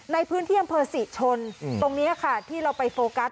ในพื้นที่อำเภอศรีชนตรงนี้ค่ะที่เราไปโฟกัส